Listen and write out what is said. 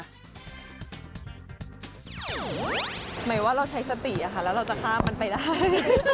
หมายว่าเราใช้สติแล้วเราจะฆ่ามันไปได้